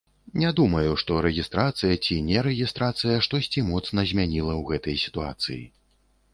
Не думаю, што рэгістрацыя ці нерэгістрацыя штосьці моцна змяніла ў гэтай сітуацыі.